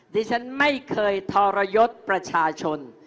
ดิฉันไม่เคยทรยศประชาชน